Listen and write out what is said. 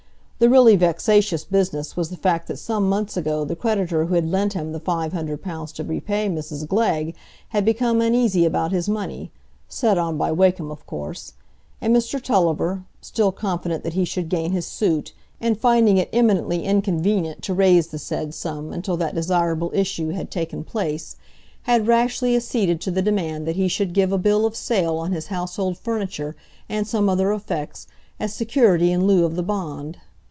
The really vexatious business was the fact that some months ago the creditor who had lent him the five hundred pounds to repay Mrs Glegg had become uneasy about his money (set on by Wakem, of course), and Mr Tulliver, still confident that he should gain his suit, and finding it eminently inconvenient to raise the said sum until that desirable issue had taken place, had rashly acceded to the demand that he should give a bill of sale on his household furniture and some other effects, as security in lieu of the bond.